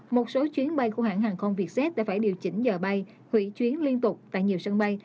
một số chuyến bay của hãng hàng không vietjet đã phải điều chỉnh giờ bay hủy chuyến liên tục tại nhiều sân bay